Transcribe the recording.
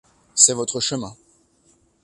C’est votre chemin.